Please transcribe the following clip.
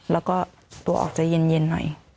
แล้วก็ตัวออกจะเย็นหน่อย